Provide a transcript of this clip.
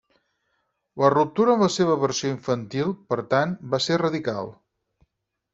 La ruptura amb la seva versió infantil, per tant, va ser radical.